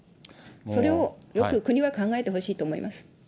それをよく国は考えてほしいと思います。